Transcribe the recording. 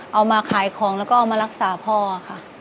เอามาขายของแล้วก็เอามารักษาพ่อค่ะ